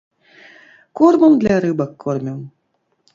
Кормам для рыбак кормім.